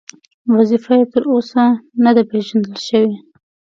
وظیفه یې تر اوسه نه ده پېژندل شوې.